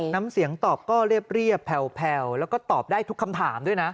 น้ำเสียงตอบก็เรียบแผ่วแล้วก็ตอบได้ทุกคำถามด้วยนะ